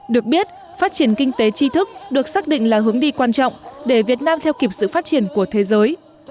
được biết phát triển kinh tế tri thức được xác định là hướng đi quan trọng để việt nam theo kịp sự phát triển của thế giới